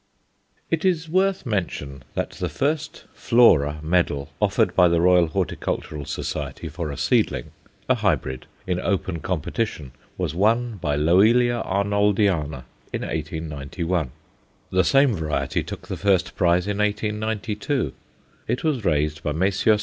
It is worth mention that the first Flora medal offered by the Royal Horticultural Society for a seedling a hybrid in open competition was won by Loelia Arnoldiana in 1891; the same variety took the first prize in 1892. It was raised by Messrs.